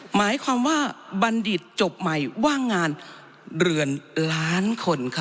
หมายความว่าบัณฑิตจบใหม่ว่างงานเรือนล้านคนค่ะ